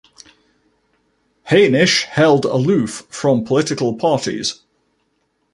Hainisch held aloof from political parties.